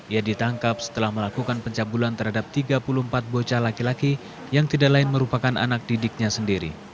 ia ditangkap setelah melakukan pencabulan terhadap tiga puluh empat bocah laki laki yang tidak lain merupakan anak didiknya sendiri